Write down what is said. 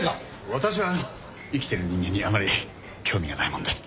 私は生きてる人間にあまり興味がないもんで。